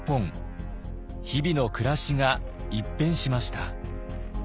日々の暮らしが一変しました。